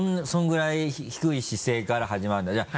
そのぐらい低い姿勢から始まるんだ。